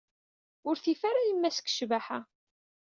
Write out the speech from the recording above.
Ur tif ara yemma-s deg ccbaḥa.